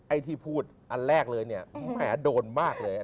ไอ้ที่พูดอันแรกเลยเนี่ยแหมโดนมากเลย